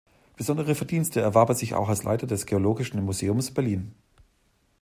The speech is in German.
Besondere Verdienste erwarb er sich auch als Leiter des Geologischen Museums, Berlin.